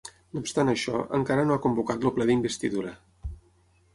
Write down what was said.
No obstant això, encara no ha convocat el ple d’investidura.